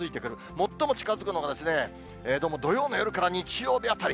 最も近づくのが、どうも土曜の夜から日曜日あたり。